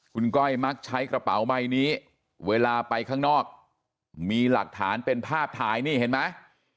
คุณก้อยมักใช้กระเป๋าใบนี้เวลาไปข้างนอกมีหลักฐานเป็นภาพถ่ายนี่เห็นไหม